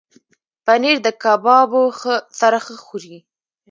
پنېر د کبابو سره ښه خوري.